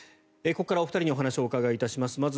ここからお二人にお話をお伺いします。